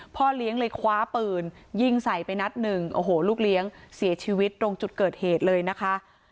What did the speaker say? พ่อเลี้ยงเลยคว้าปืนยิงใส่ไปนัดหนึ่งโอ้โหลูกเลี้ยงเสียชีวิตตรงจุดเกิดเหตุเลยนะคะ